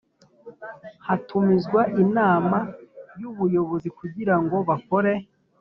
Hatumizwa Inama y Ubuyobozi kugira ngo bakore